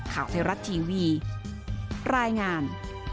ข่าวเทวรัตน์ทีวีรายงาน